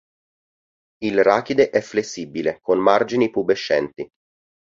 Il rachide è flessibile con margini pubesenti.